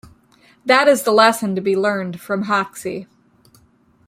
That is the lesson to be learned from Hoxie.